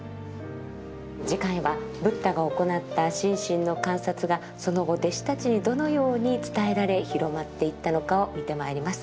次回はブッダが行った心身の観察がその後弟子たちにどのように伝えられ広まっていったのかを見てまいります。